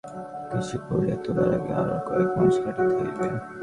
অধিকন্তু নিউ ইয়র্কে উল্লেখযোগ্য কিছু গড়িয়া তোলার আগে আরও কয়েক মাস খাটিতে হইবে।